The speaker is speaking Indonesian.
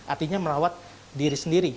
artinya merawat diri sendiri